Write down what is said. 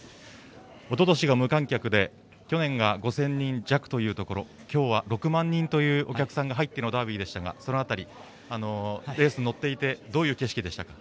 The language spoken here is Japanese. おととしは無観客で去年は５０００人弱というところきょうは６万人というお客さんが入ってのダービーでしたが、その辺りレースに乗っていてどういう景色でしたか？